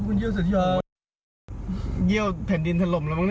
เงี้ยวแผ่นดินถล่มแล้วนี่